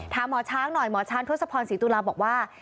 หมอช้างหน่อยหมอช้างทศพรศรีตุลาบอกว่า